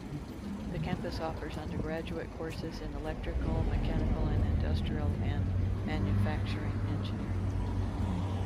The campus offers undergraduate courses in Electrical, Mechanical and Industrial and Manufacturing Engineering.